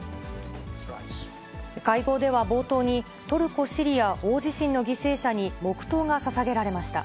会合では冒頭に、トルコ・シリア大地震の犠牲者に黙とうがささげられました。